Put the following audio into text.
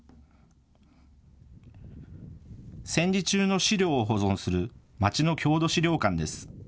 戦時中の資料を保存する町の郷土資料館です。